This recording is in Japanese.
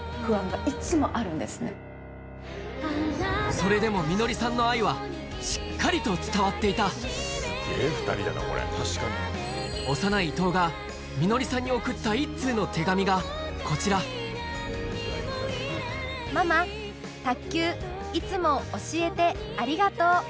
それでも美乃りさんの愛はしっかりと伝わっていた幼い伊藤が美乃りさんに贈った一通の手紙がこちら「ままたっきゅういつもおしえてありがとう。